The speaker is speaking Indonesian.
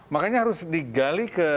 makanya harus digali